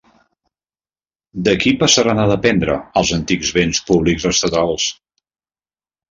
De qui passaren a dependre els antics béns públics estatals?